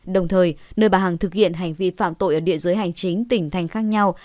đồng thời nơi bà hằng thực hiện hành vi phạm tội ở địa giới hành chính tỉnh thành khác nhau